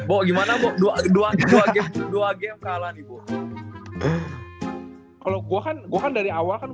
oh mau bahas itu